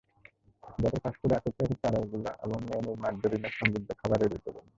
যাঁদের ফাস্টফুডে আসক্তি আছে, তাঁরা এগুলো এবং মেয়নিজ মার্জারিনে সমৃদ্ধ খাবার এড়িয়ে চলুন।